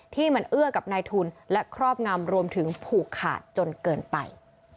ที่มันเอื้อกับนายทุนและครอบงำรวมถึงผูกขาดจนเกินไป